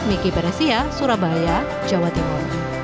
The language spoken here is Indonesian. miki peresia surabaya jawa timur